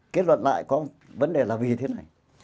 kết luận lại có vấn đề là vì thế này